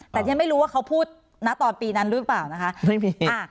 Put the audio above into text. แต่ฉันไม่รู้ว่าเขาพูดนะตอนปีนั้นหรือเปล่านะคะไม่มี